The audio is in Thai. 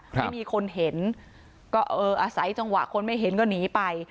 ไม่มีคนเห็นก็เอออาศัยจังหวะคนไม่เห็นก็หนีไป